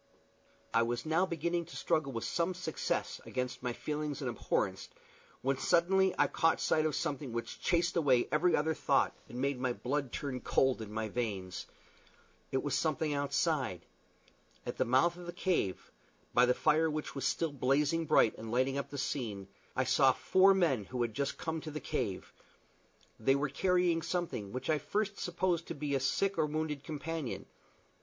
I was now beginning to struggle with some success against my feelings of abhorrence, when suddenly I caught sight of something which chased away every other thought, and made my blood turn cold in my veins. It was something outside. At the mouth of the cave by the fire which was still blazing bright, and lighting up the scene I saw four men who had just come to the cave: they were carrying something which I at first supposed to be a sick or wounded companion.